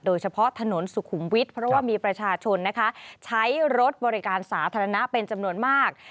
โดยเฉพาะถนนสุขุมวิทย์เพราะว่ามีประชาชนนะคะใช้รถบริการสาธารณะเป็นจำนวนมาก